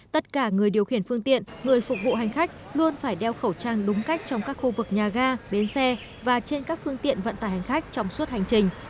tất cả người điều khiển phương tiện người phục vụ hành khách luôn phải đeo khẩu trang đúng cách trong các khu vực nhà ga bến xe và trên các phương tiện vận tải hành khách trong suốt hành trình